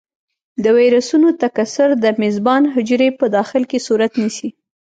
د ویروسونو تکثر د میزبان حجرې په داخل کې صورت نیسي.